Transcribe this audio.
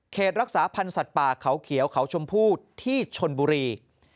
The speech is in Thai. รักษาพันธ์สัตว์ป่าเขาเขียวเขาชมพู่ที่ชนบุรี